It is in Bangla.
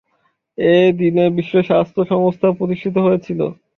এ দিনে বিশ্ব স্বাস্থ্য সংস্থাও প্রতিষ্ঠিত হয়েছিল।